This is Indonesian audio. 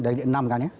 dari enam kan ya